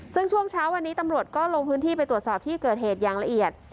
ซึ่งช่วงเช้าวันนี้ตำรวจก็ลงพื้นที่ไปตรวจสอบที่เกิดเหตุอย่างละเอียด